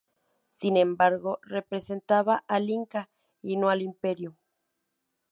Sin embargo, representaba al Inca y no al imperio.